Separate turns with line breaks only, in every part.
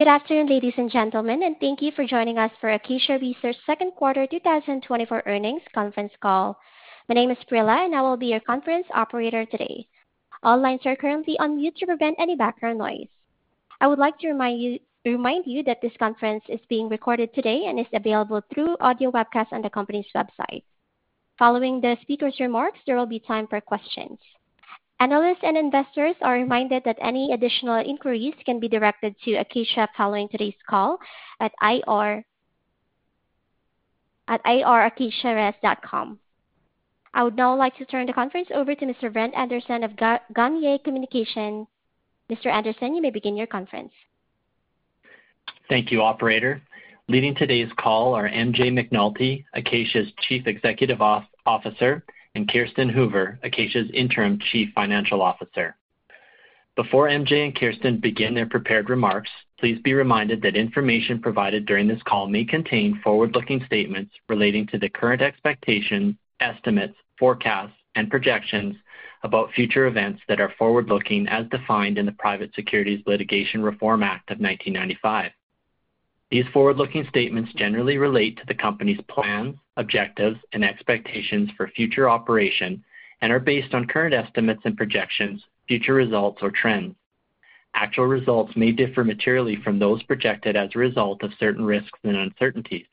Good afternoon, ladies and gentlemen, and thank you for joining us for Acacia Research second quarter 2024 earnings conference call. My name is Prilla, and I will be your conference operator today. All lines are currently on mute to prevent any background noise. I would like to remind you, remind you that this conference is being recorded today and is available through audio webcast on the company's website. Following the speaker's remarks, there will be time for questions. Analysts and investors are reminded that any additional inquiries can be directed to Acacia following today's call at IR acaciaresearch.com. I would now like to turn the conference over to Mr. Brent Anderson of Gagnier Communications. Mr. Anderson, you may begin your conference.
Thank you, operator. Leading today's call are M.J. McNulty, Acacia's Chief Executive Officer, and Kirsten Hoover, Acacia's Interim Chief Financial Officer. Before M.J. and Kirsten begin their prepared remarks, please be reminded that information provided during this call may contain forward-looking statements relating to the current expectations, estimates, forecasts, and projections about future events that are forward-looking, as defined in the Private Securities Litigation Reform Act of 1995. These forward-looking statements generally relate to the company's plans, objectives, and expectations for future operation and are based on current estimates and projections, future results, or trends. Actual results may differ materially from those projected as a result of certain risks and uncertainties.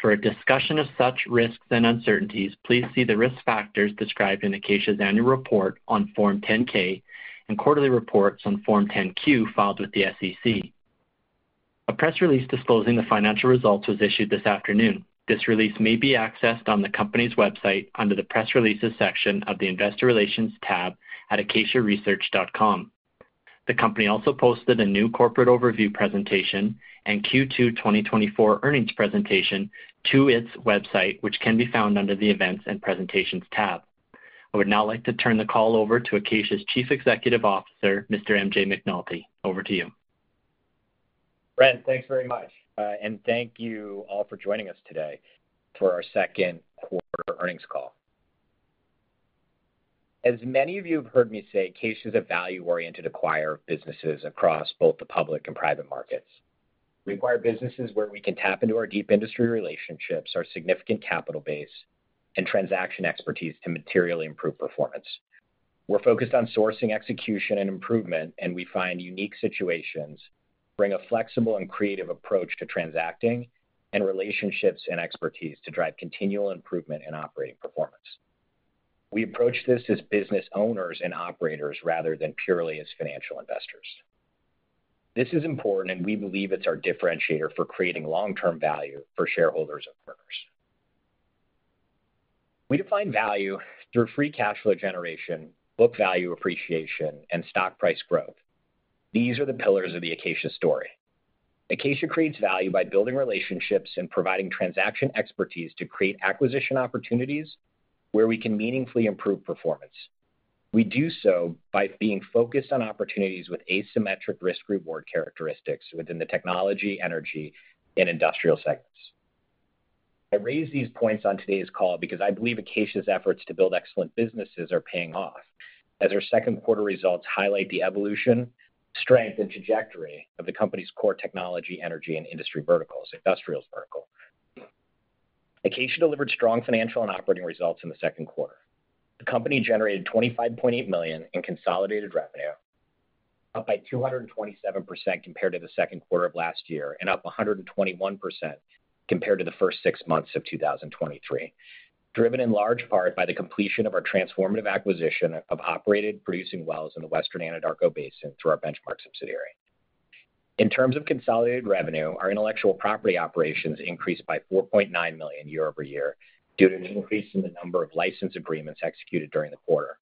For a discussion of such risks and uncertainties, please see the risk factors described in Acacia's annual report on Form 10-K and quarterly reports on Form 10-Q filed with the SEC. A press release disclosing the financial results was issued this afternoon. This release may be accessed on the company's website under the Press Releases section of the Investor Relations tab at acaciaresearch.com. The company also posted a new corporate overview presentation and Q2 2024 earnings presentation to its website, which can be found under the Events and Presentations tab. I would now like to turn the call over to Acacia's Chief Executive Officer, Mr. M.J. McNulty. Over to you.
Brent, thanks very much. Thank you all for joining us today for our second quarter earnings call. As many of you have heard me say, Acacia is a value-oriented acquirer of businesses across both the public and private markets. We acquire businesses where we can tap into our deep industry relationships, our significant capital base, and transaction expertise to materially improve performance. We're focused on sourcing, execution, and improvement, and we find unique situations, bring a flexible and creative approach to transacting, and relationships and expertise to drive continual improvement in operating performance. We approach this as business owners and operators rather than purely as financial investors. This is important, and we believe it's our differentiator for creating long-term value for shareholders and partners. We define value through free cash flow generation, book value appreciation, and stock price growth. These are the pillars of the Acacia story. Acacia creates value by building relationships and providing transaction expertise to create acquisition opportunities where we can meaningfully improve performance. We do so by being focused on opportunities with asymmetric risk-reward characteristics within the technology, energy, and industrial sectors. I raise these points on today's call because I believe Acacia's efforts to build excellent businesses are paying off, as our second quarter results highlight the evolution, strength, and trajectory of the company's core technology, energy, and industry verticals, industrials vertical. Acacia delivered strong financial and operating results in the second quarter. The company generated $25.8 million in consolidated revenue, up 227% compared to the second quarter of last year, and up 121% compared to the first six months of 2023. Driven in large part by the completion of our transformative acquisition of operated producing wells in the Western Anadarko Basin through our Benchmark subsidiary. In terms of consolidated revenue, our intellectual property operations increased by $4.9 million year-over-year due to an increase in the number of license agreements executed during the quarter.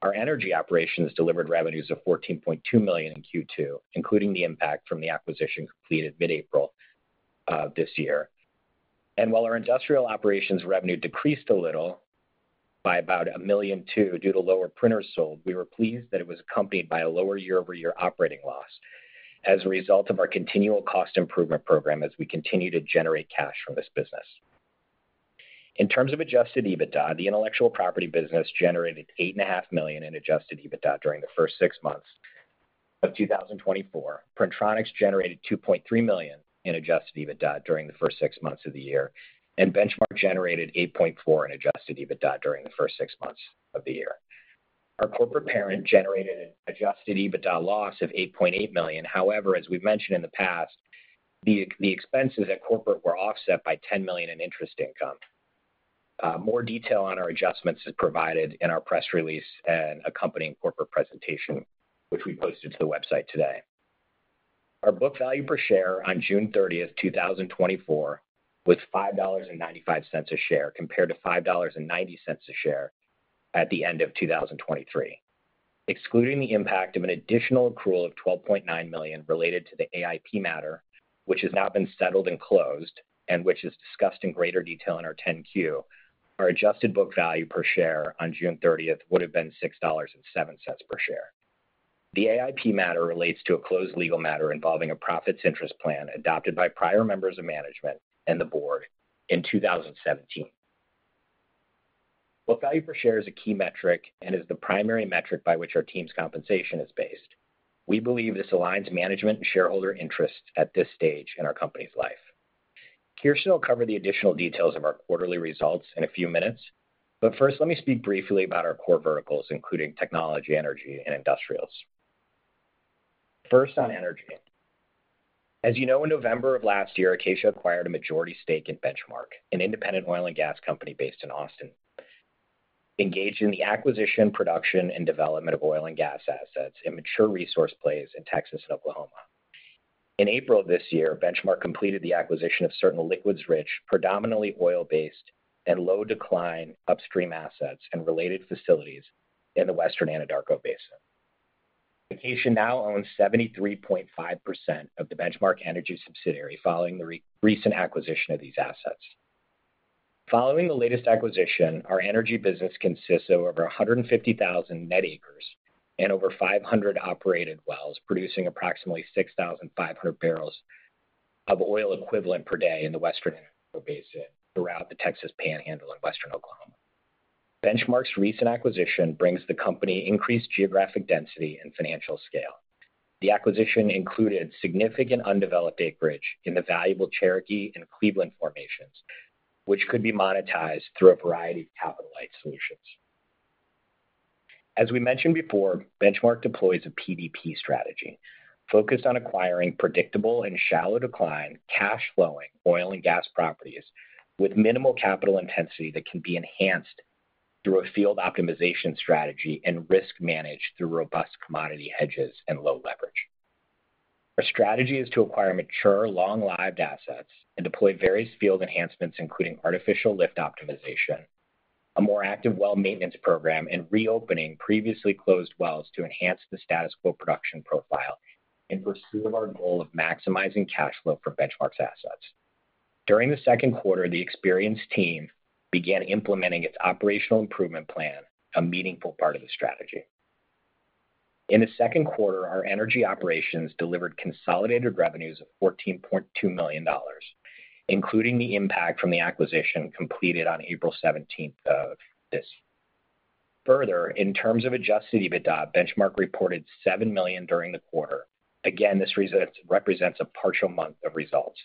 Our energy operations delivered revenues of $14.2 million in Q2, including the impact from the acquisition completed mid-April, this year. And while our industrial operations revenue decreased a little, by about $1.2 million due to lower printers sold, we were pleased that it was accompanied by a lower year-over-year operating loss as a result of our continual cost improvement program as we continue to generate cash from this business. In terms of Adjusted EBITDA, the intellectual property business generated $8.5 million in Adjusted EBITDA during the first six months of 2024. Printronix generated $2.3 million in Adjusted EBITDA during the first six months of the year, and Benchmark generated $8.4 million in Adjusted EBITDA during the first six months of the year. Our corporate parent generated an Adjusted EBITDA loss of $8.8 million. However, as we've mentioned in the past, the expenses at corporate were offset by $10 million in interest income. More detail on our adjustments is provided in our press release and accompanying corporate presentation, which we posted to the website today. Our book value per share on June 30th, 2024, was $5.95 a share, compared to $5.90 a share at the end of 2023. Excluding the impact of an additional accrual of $12.9 million related to the AIP matter, which has now been settled and closed, and which is discussed in greater detail in our 10-Q, our adjusted book value per share on June 30th would have been $6.07 per share. The AIP matter relates to a closed legal matter involving a profits interest plan adopted by prior members of management and the board in 2017.... Well, value per share is a key metric and is the primary metric by which our team's compensation is based. We believe this aligns management and shareholder interests at this stage in our company's life. Kirsten will cover the additional details of our quarterly results in a few minutes, but first, let me speak briefly about our core verticals, including technology, energy, and industrials. First, on energy. As you know, in November of last year, Acacia acquired a majority stake in Benchmark, an independent oil and gas company based in Austin, engaged in the acquisition, production, and development of oil and gas assets in mature resource plays in Texas and Oklahoma. In April of this year, Benchmark completed the acquisition of certain liquids-rich, predominantly oil-based and low decline upstream assets and related facilities in the Western Anadarko Basin. Acacia now owns 73.5% of the Benchmark Energy subsidiary, following the recent acquisition of these assets. Following the latest acquisition, our energy business consists of over 150,000 net acres and over 500 operated wells, producing approximately 6,500 barrels of oil equivalent per day in the Western Anadarko Basin throughout the Texas Panhandle and Western Oklahoma. Benchmark's recent acquisition brings the company increased geographic density and financial scale. The acquisition included significant undeveloped acreage in the valuable Cherokee and Cleveland formations, which could be monetized through a variety of capital-light solutions. As we mentioned before, Benchmark deploys a PDP strategy focused on acquiring predictable and shallow decline, cash flowing, oil and gas properties with minimal capital intensity that can be enhanced through a field optimization strategy and risk managed through robust commodity hedges and low leverage. Our strategy is to acquire mature, long-lived assets and deploy various field enhancements, including artificial lift optimization, a more active well maintenance program, and reopening previously closed wells to enhance the status quo production profile in pursuit of our goal of maximizing cash flow for Benchmark's assets. During the second quarter, the experienced team began implementing its operational improvement plan, a meaningful part of the strategy. In the second quarter, our energy operations delivered consolidated revenues of $14.2 million, including the impact from the acquisition completed on April 17th of this. Further, in terms of Adjusted EBITDA, Benchmark reported $7 million during the quarter. Again, this represents a partial month of results.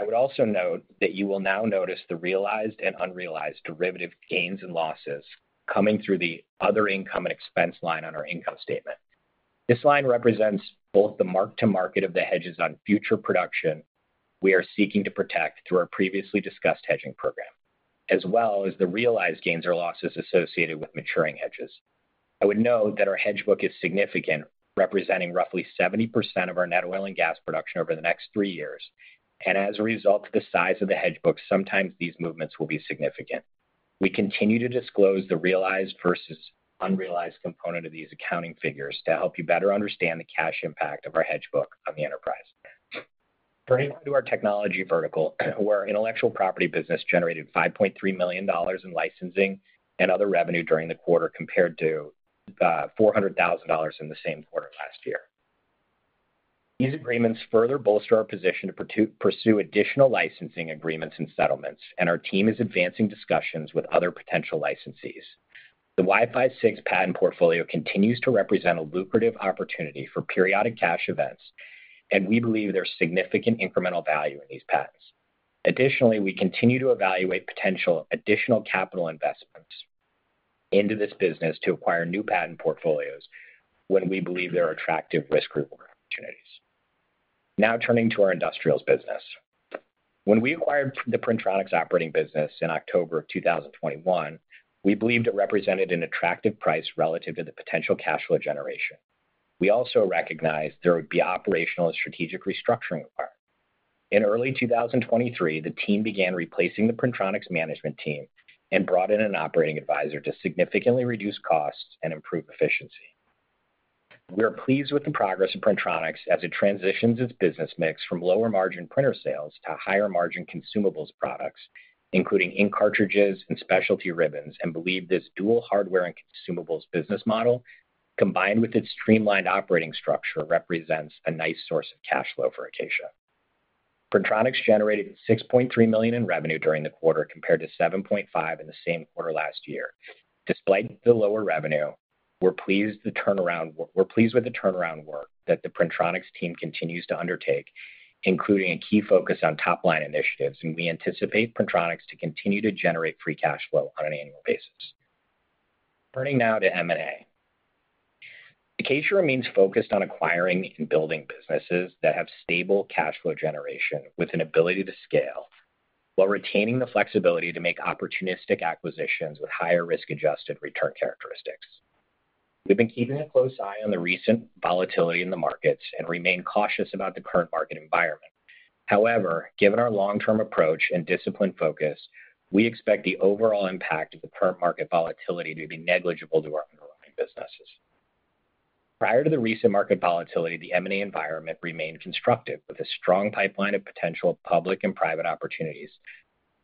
I would also note that you will now notice the realized and unrealized derivative gains and losses coming through the other income and expense line on our income statement. This line represents both the mark to market of the hedges on future production we are seeking to protect through our previously discussed hedging program, as well as the realized gains or losses associated with maturing hedges. I would note that our hedge book is significant, representing roughly 70% of our net oil and gas production over the next three years, and as a result of the size of the hedge book, sometimes these movements will be significant. We continue to disclose the realized versus unrealized component of these accounting figures to help you better understand the cash impact of our hedge book on the enterprise. Turning to our technology vertical, our intellectual property business generated $5.3 million in licensing and other revenue during the quarter, compared to $400,000 in the same quarter last year. These agreements further bolster our position to pursue additional licensing agreements and settlements, and our team is advancing discussions with other potential licensees. The Wi-Fi 6 patent portfolio continues to represent a lucrative opportunity for periodic cash events, and we believe there's significant incremental value in these patents. Additionally, we continue to evaluate potential additional capital investments into this business to acquire new patent portfolios when we believe there are attractive risk reward opportunities. Now turning to our industrials business. When we acquired the Printronix operating business in October of 2021, we believed it represented an attractive price relative to the potential cash flow generation. We also recognized there would be operational and strategic restructuring required. In early 2023, the team began replacing the Printronix management team and brought in an operating advisor to significantly reduce costs and improve efficiency. We are pleased with the progress of Printronix as it transitions its business mix from lower margin printer sales to higher margin consumables products, including ink cartridges and specialty ribbons, and believe this dual hardware and consumables business model, combined with its streamlined operating structure, represents a nice source of cash flow for Acacia. Printronix generated $6.3 million in revenue during the quarter, compared to $7.5 million in the same quarter last year. Despite the lower revenue, we're pleased with the turnaround work that the Printronix team continues to undertake, including a key focus on top-line initiatives, and we anticipate Printronix to continue to generate free cash flow on an annual basis. Turning now to M&A. Acacia remains focused on acquiring and building businesses that have stable cash flow generation with an ability to scale, while retaining the flexibility to make opportunistic acquisitions with higher risk-adjusted return characteristics. We've been keeping a close eye on the recent volatility in the markets and remain cautious about the current market environment. However, given our long-term approach and disciplined focus, we expect the overall impact of the current market volatility to be negligible to our underlying businesses. Prior to the recent market volatility, the M&A environment remained constructive, with a strong pipeline of potential public and private opportunities.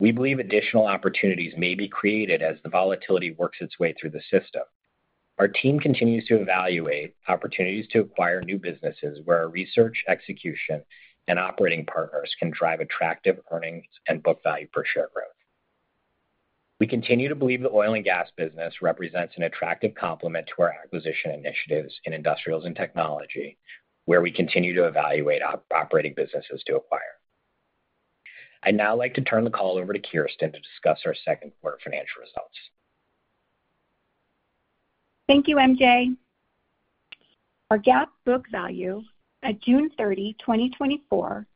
We believe additional opportunities may be created as the volatility works its way through the system... Our team continues to evaluate opportunities to acquire new businesses where our research, execution, and operating partners can drive attractive earnings and book value per share growth. We continue to believe the oil and gas business represents an attractive complement to our acquisition initiatives in industrials and technology, where we continue to evaluate operating businesses to acquire. I'd now like to turn the call over to Kirsten to discuss our second quarter financial results.
Thank you, M.J. Our GAAP book value at June 30, 2024,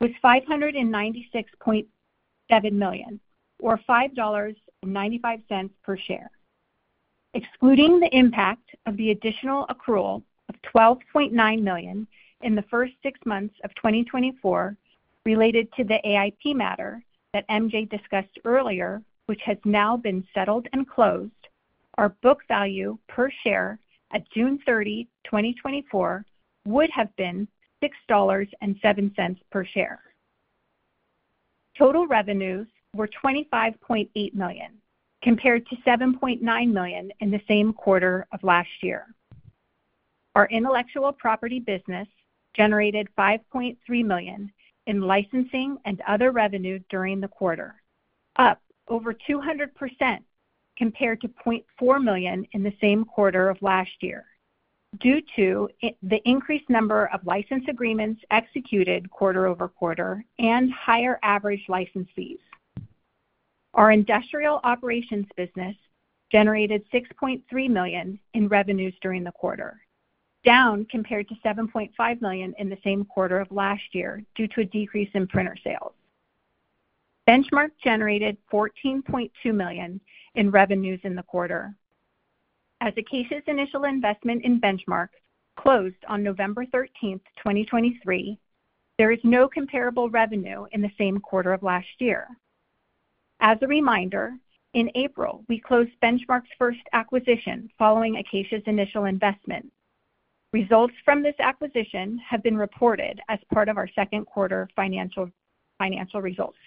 was $596.7 million, or $5.95 per share. Excluding the impact of the additional accrual of $12.9 million in the first six months of 2024 related to the AIP matter that M.J. discussed earlier, which has now been settled and closed, our book value per share at June 30, 2024, would have been $6.07 per share. Total revenues were $25.8 million, compared to $7.9 million in the same quarter of last year. Our intellectual property business generated $5.3 million in licensing and other revenue during the quarter, up over 200% compared to $0.4 million in the same quarter of last year, due to the increased number of license agreements executed quarter-over-quarter and higher average license fees. Our industrial operations business generated $6.3 million in revenues during the quarter, down compared to $7.5 million in the same quarter of last year due to a decrease in printer sales. Benchmark generated $14.2 million in revenues in the quarter. As Acacia's initial investment in Benchmark closed on November 13, 2023, there is no comparable revenue in the same quarter of last year. As a reminder, in April, we closed Benchmark's first acquisition following Acacia's initial investment. Results from this acquisition have been reported as part of our second-quarter financial results.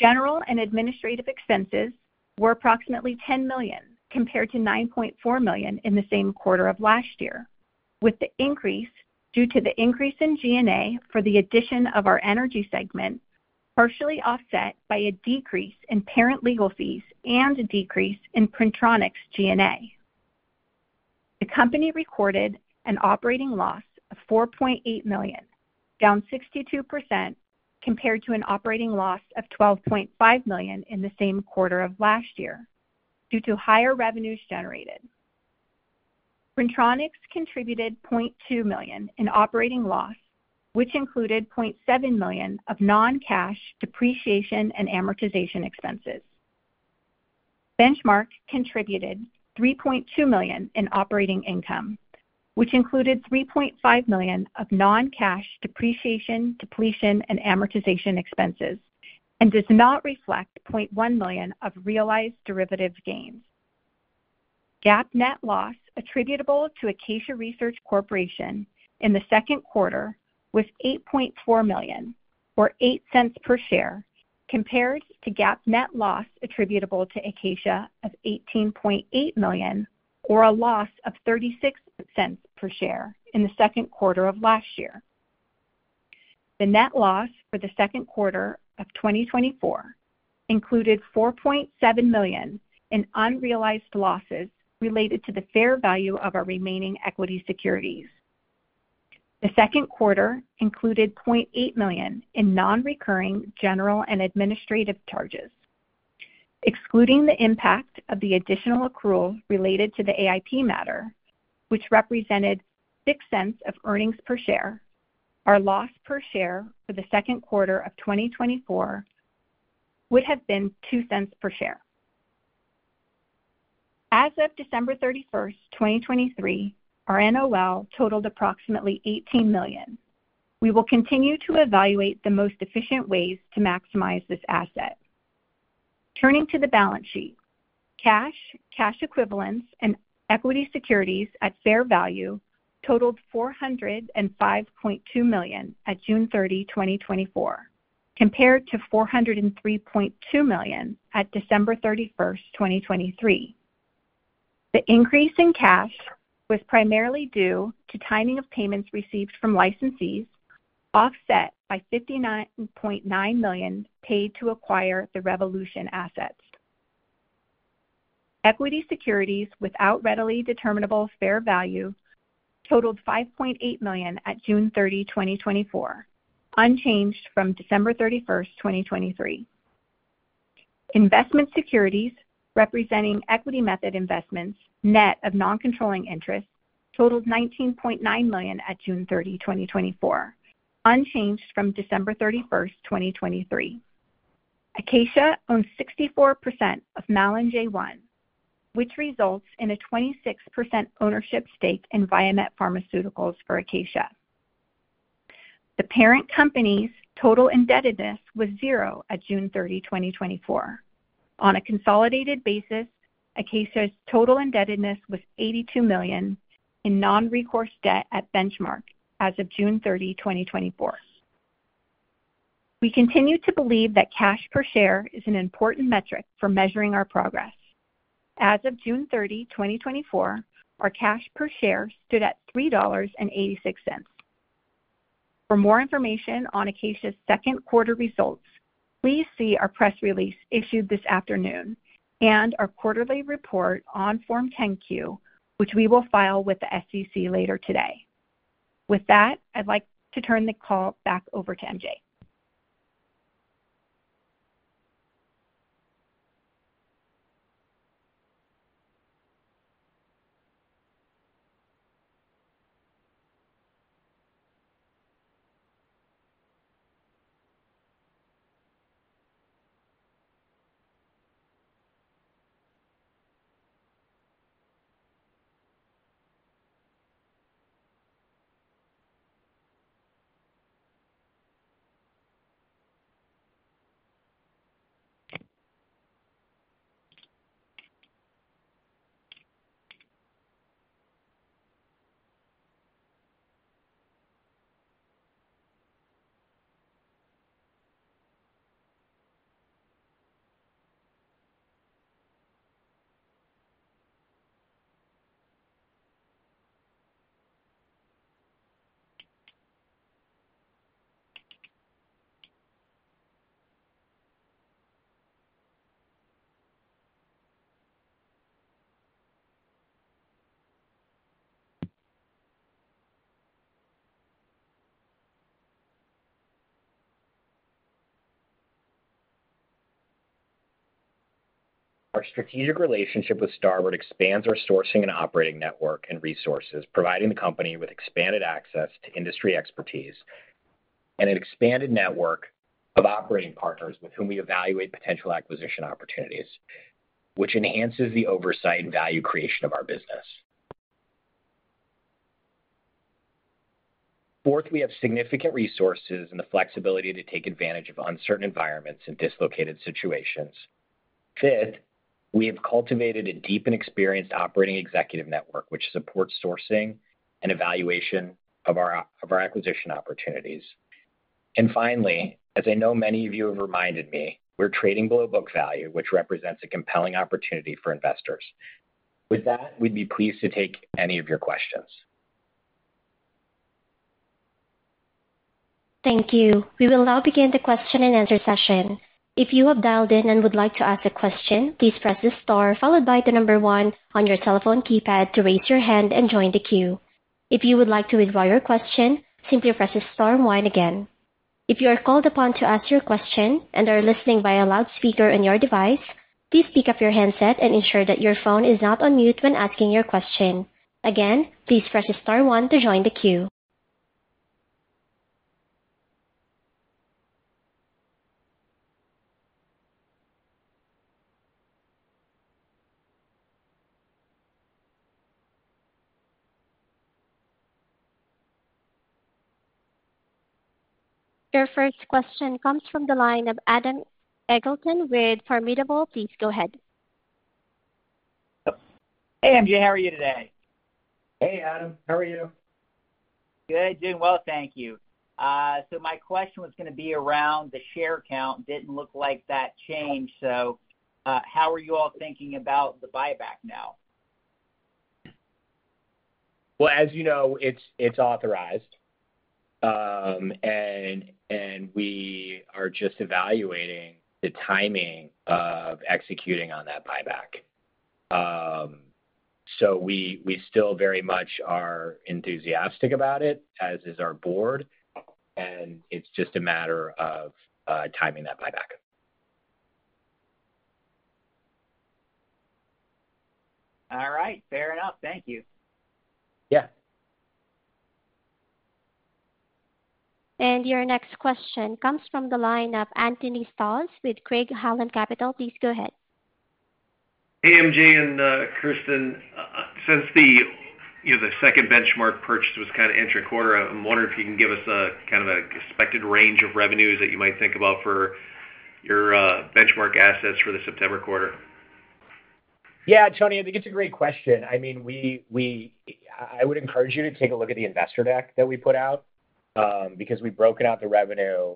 General and administrative expenses were approximately $10 million, compared to $9.4 million in the same quarter of last year, with the increase due to the increase in G&A for the addition of our energy segment, partially offset by a decrease in parent legal fees and a decrease in Printronix G&A. The company recorded an operating loss of $4.8 million, down 62% compared to an operating loss of $12.5 million in the same quarter of last year due to higher revenues generated. Printronix contributed $0.2 million in operating loss, which included $0.7 million of non-cash depreciation and amortization expenses. Benchmark contributed $3.2 million in operating income, which included $3.5 million of non-cash depreciation, depletion, and amortization expenses, and does not reflect $0.1 million of realized derivatives gains. GAAP net loss attributable to Acacia Research Corporation in the second quarter was $8.4 million, or $0.08 per share, compared to GAAP net loss attributable to Acacia of $18.8 million, or a loss of $0.36 per share in the second quarter of last year. The net loss for the second quarter of 2024 included $4.7 million in unrealized losses related to the fair value of our remaining equity securities. The second quarter included $0.8 million in non-recurring general and administrative charges, excluding the impact of the additional accrual related to the AIP matter, which represented $0.06 of earnings per share. Our loss per share for the second quarter of 2024 would have been $0.02 per share. As of December 31st, 2023, our NOL totaled approximately $18 million. We will continue to evaluate the most efficient ways to maximize this asset. Turning to the balance sheet, cash, cash equivalents, and equity securities at fair value totaled $405.2 million at June 30, 2024, compared to $403.2 million at December 31st, 2023. The increase in cash was primarily due to timing of payments received from licensees, offset by $59.9 million paid to acquire the Revolution Assets. Equity securities without readily determinable fair value totaled $5.8 million at June 30, 2024, unchanged from December 31st, 2023. Investment securities, representing equity method investments net of non-controlling interests, totaled $19.9 million at June 30, 2024, unchanged from December 31st, 2023. Acacia owns 64% of MalinJ1, which results in a 26% ownership stake in Viamet Pharmaceuticals for Acacia. The parent company's total indebtedness was 0 at June 30, 2024. On a consolidated basis, Acacia's total indebtedness was $82 million in non-recourse debt at Benchmark as of June 30, 2024. We continue to believe that cash per share is an important metric for measuring our progress. As of June 30, 2024, our cash per share stood at $3.86. For more information on Acacia's second quarter results, please see our press release issued this afternoon and our quarterly report on Form 10-Q, which we will file with the SEC later today. With that, I'd like to turn the call back over to M.J.
Our strategic relationship with Starboard expands our sourcing and operating network and resources, providing the company with expanded access to industry expertise and an expanded network of operating partners with whom we evaluate potential acquisition opportunities, which enhances the oversight and value creation of our business. Fourth, we have significant resources and the flexibility to take advantage of uncertain environments and dislocated situations. Fifth, we have cultivated a deep and experienced operating executive network, which supports sourcing and evaluation of our acquisition opportunities. And finally, as I know many of you have reminded me, we're trading below book value, which represents a compelling opportunity for investors. With that, we'd be pleased to take any of your questions.
Thank you. We will now begin the question-and-answer session. If you have dialed in and would like to ask a question, please press star followed by the number one on your telephone keypad to raise your hand and join the queue. If you would like to withdraw your question, simply press star one again. If you are called upon to ask your question and are listening via loudspeaker on your device, please pick up your handset and ensure that your phone is not on mute when asking your question. Again, please press star one to join the queue. Your first question comes from the line of Adam Eagleston with Formidable. Please go ahead.
Hey, M.J., how are you today?
Hey, Adam. How are you?
Good. Doing well, thank you. So my question was gonna be around the share count. Didn't look like that changed, so how are you all thinking about the buyback now?
Well, as you know, it's authorized, and we are just evaluating the timing of executing on that buyback. So we still very much are enthusiastic about it, as is our board, and it's just a matter of timing that buyback.
All right. Fair enough. Thank you.
Yeah.
And your next question comes from the line of Anthony Stoss with Craig-Hallum Capital. Please go ahead.
Hey, M.J. and, Kirsten. Since the, you know, the second benchmark purchase was kind of entry quarter, I'm wondering if you can give us a kind of an expected range of revenues that you might think about for your, benchmark assets for the September quarter.
Yeah, Tony, I think it's a great question. I mean, we, I would encourage you to take a look at the investor deck that we put out, because we've broken out the revenue.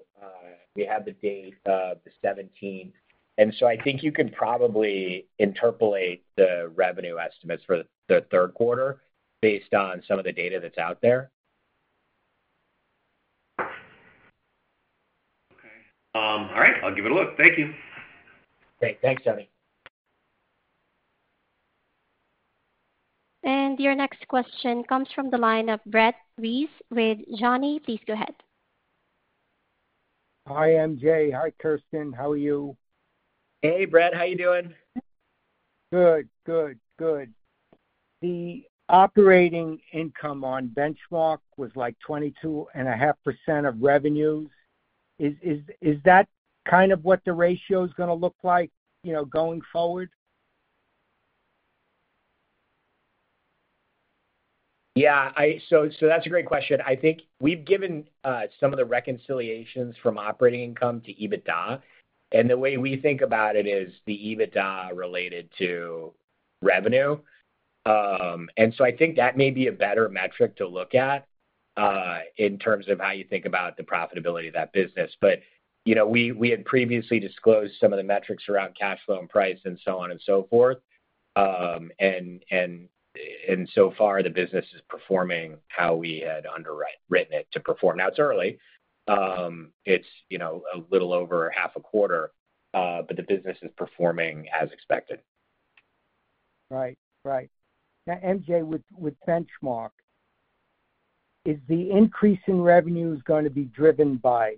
We have the date of the 17th. And so I think you can probably interpolate the revenue estimates for the third quarter based on some of the data that's out there.
Okay. All right. I'll give it a look. Thank you.
Great. Thanks, Tony.
Your next question comes from the line of Brett Reiss with Janney. Please go ahead.
Hi, M.J.. Hi, Kirsten. How are you?
Hey, Brett. How you doing?
Good, good, good. The operating income on Benchmark was, like, 22.5% of revenues. Is that kind of what the ratio is gonna look like, you know, going forward?
Yeah, I -- So, so that's a great question. I think we've given some of the reconciliations from operating income to EBITDA, and the way we think about it is the EBITDA related to revenue. And so I think that may be a better metric to look at in terms of how you think about the profitability of that business. But, you know, we, we had previously disclosed some of the metrics around cash flow and price, and so on and so forth. And, and, and so far, the business is performing how we had underwritten it to perform. Now, it's early. It's, you know, a little over half a quarter, but the business is performing as expected.
Right. Right. Now, M.J., with Benchmark, is the increase in revenues going to be driven by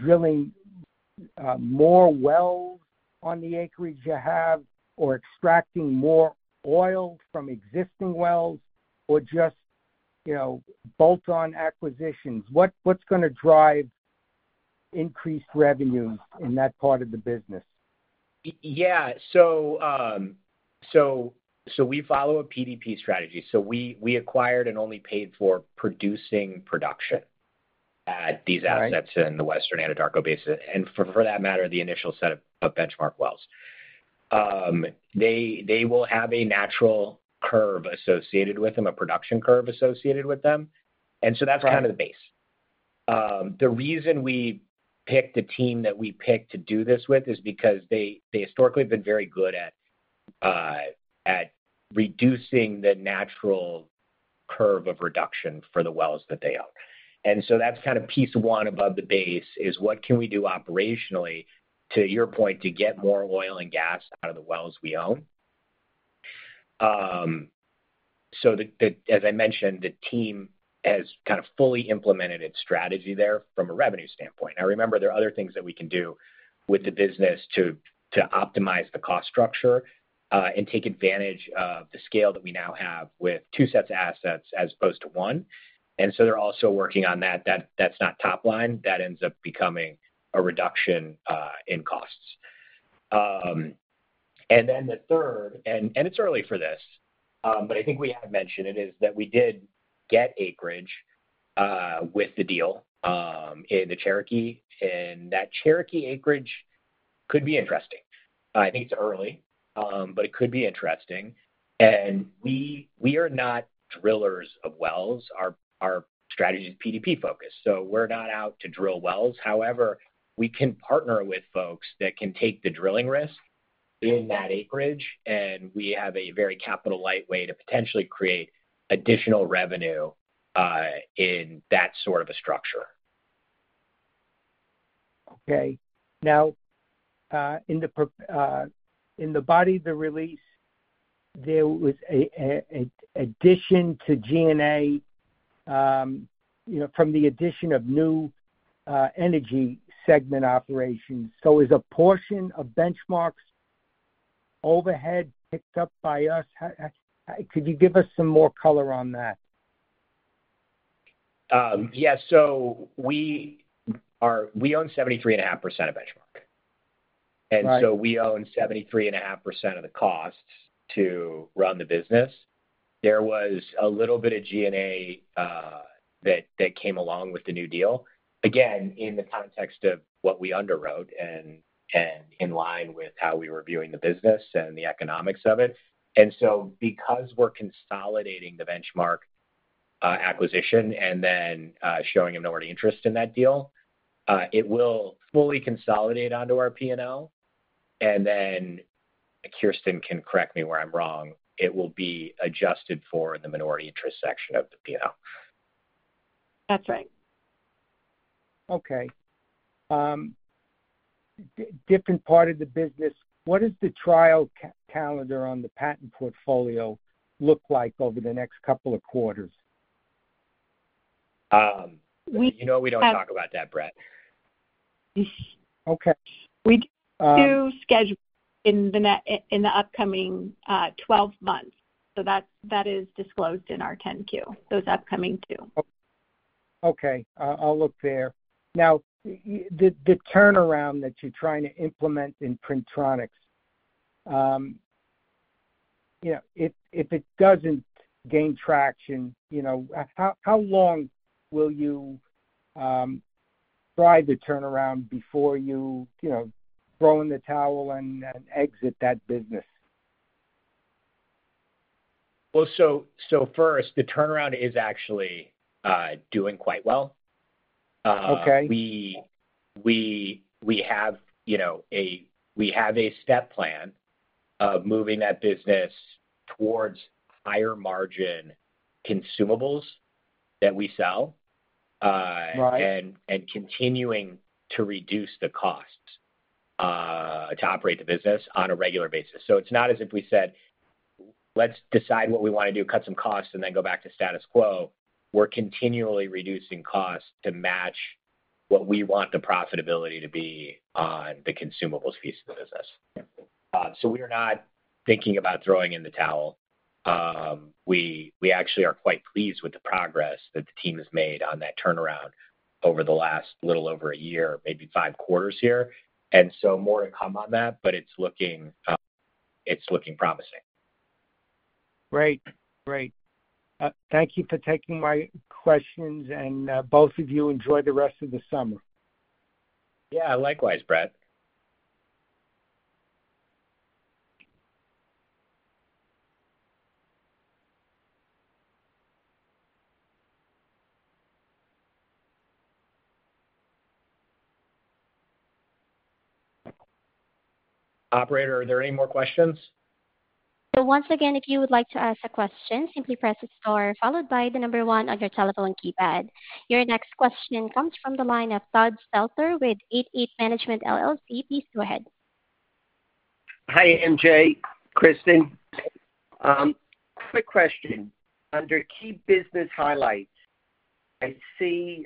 drilling more wells on the acreage you have, or extracting more oil from existing wells, or just, you know, bolt-on acquisitions? What's gonna drive increased revenue in that part of the business?
Yeah. So we follow a PDP strategy. So we acquired and only paid for producing production at these-
Right...
assets in the Western Anadarko Basin, and for that matter, the initial set of Benchmark wells. They will have a natural curve associated with them, a production curve associated with them, and so that's-
Right...
kind of the base. The reason we picked the team that we picked to do this with is because they, they historically have been very good at reducing the natural curve of reduction for the wells that they own. And so that's kind of piece one above the base, is what can we do operationally, to your point, to get more oil and gas out of the wells we own? So as I mentioned, the team has kind of fully implemented its strategy there from a revenue standpoint. Now, remember, there are other things that we can do with the business to optimize the cost structure and take advantage of the scale that we now have with two sets of assets as opposed to one, and so they're also working on that. That, that's not top line. That ends up becoming a reduction in costs. And then the third, and it's early for this, but I think we have mentioned it, is that we did get acreage with the deal in the Cherokee, and that Cherokee acreage could be interesting. I think it's early, but it could be interesting. And we are not drillers of wells. Our strategy is PDP focused, so we're not out to drill wells. However, we can partner with folks that can take the drilling risk-
Yeah...
in that acreage, and we have a very capital-light way to potentially create additional revenue in that sort of a structure.
Okay. Now, in the body of the release, there was an addition to G&A, you know, from the addition of new energy segment operations. So is a portion of Benchmark's overhead picked up by us? How could you give us some more color on that?
Yeah. So we are, we own 73.5% of Benchmark.
Right.
And so we own 73.5% of the costs to run the business. There was a little bit of G&A, that, that came along with the new deal, again, in the context of what we underwrote and, and in line with how we were viewing the business and the economics of it. And so because we're consolidating the Benchmark, acquisition and then, showing a minority interest in that deal, it will fully consolidate onto our P&L. And then, Kirsten can correct me where I'm wrong, it will be adjusted for the minority interest section of the P&L.
That's right.
Okay. Different part of the business, what does the trial calendar on the patent portfolio look like over the next couple of quarters?
Um-
We, uh-
You know, we don't talk about that, Brett.
Okay.
We-
Uh...
do schedule in the upcoming twelve months, so that is disclosed in our 10-Q, those upcoming two.
Okay, I'll look there. Now, the turnaround that you're trying to implement in Printronix, you know, if it doesn't gain traction, you know, how long will you try the turnaround before you, you know, throw in the towel and exit that business?
Well, so first, the turnaround is actually doing quite well.
Okay.
We have, you know, a step plan of moving that business towards higher-margin consumables that we sell.
Right...
and continuing to reduce the costs to operate the business on a regular basis. So it's not as if we said, "Let's decide what we want to do, cut some costs, and then go back to status quo." We're continually reducing costs to match what we want the profitability to be on the consumables piece of the business. So we are not thinking about throwing in the towel. We actually are quite pleased with the progress that the team has made on that turnaround over the last little over a year, maybe 5 quarters here, and so more to come on that, but it's looking promising.
Great. Great. Thank you for taking my questions, and both of you, enjoy the rest of the summer....
Yeah, likewise, Brett. Operator, are there any more questions?
So once again, if you would like to ask a question, simply press star followed by the number one on your telephone keypad. Your next question comes from the line of Todd Stelter with 88 Management LLC. Please go ahead.
Hi, M.J., Kirsten. Quick question. Under key business highlights, I see,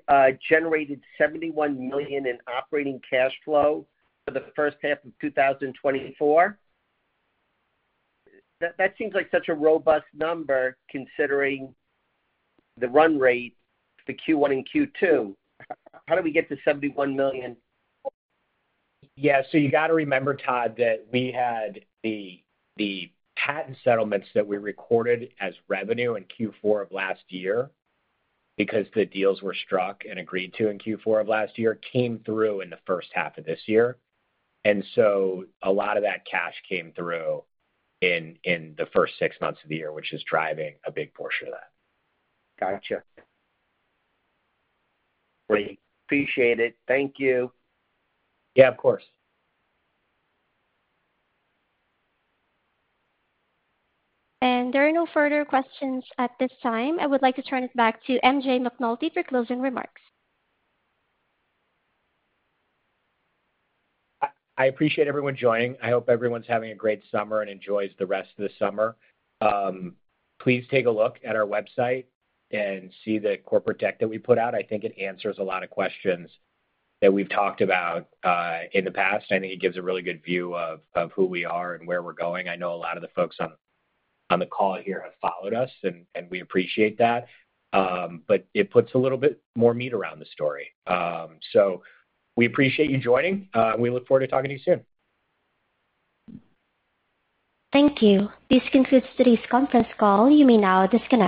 generated $71 million in operating cash flow for the first half of 2024. That, that seems like such a robust number, considering the run rate for Q1 and Q2. How do we get to $71 million?
Yeah, so you got to remember, Todd, that we had the patent settlements that we recorded as revenue in Q4 of last year because the deals were struck and agreed to in Q4 of last year, came through in the first half of this year. And so a lot of that cash came through in the first six months of the year, which is driving a big portion of that.
Gotcha. Great. Appreciate it. Thank you.
Yeah, of course.
There are no further questions at this time. I would like to turn it back to M.J. McNulty for closing remarks.
I appreciate everyone joining. I hope everyone's having a great summer and enjoys the rest of the summer. Please take a look at our website and see the corporate deck that we put out. I think it answers a lot of questions that we've talked about in the past. I think it gives a really good view of who we are and where we're going. I know a lot of the folks on the call here have followed us, and we appreciate that. But it puts a little bit more meat around the story. So we appreciate you joining, and we look forward to talking to you soon.
Thank you. This concludes today's conference call. You may now disconnect.